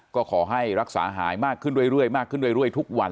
ก็ขอให้รักษาหายมากขึ้นเรื่อยทุกวัน